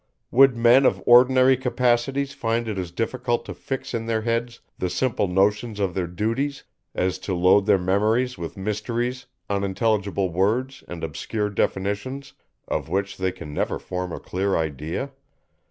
Would men of ordinary capacities find it as difficult to fix in their heads the simple notions of their duties, as to load their memories with mysteries, unintelligible words and obscure definitions, of which they can never form a clear idea?